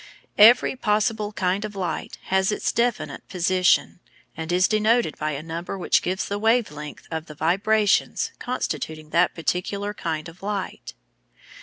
Every possible kind of light has its definite position, and is denoted by a number which gives the wave length of the vibrations constituting that particular kind of light.